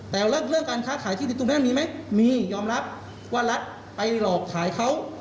แต่เรื่องการค้าขายที่ดินตรงนั้นมีไหมมียอมรับว่ารัฐไปหลอกขายเขา